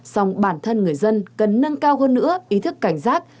xong bản thân người dân cần nâng cao hơn nữa ý thức cảnh giác